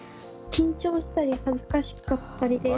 緊張したり恥ずかしかったりで。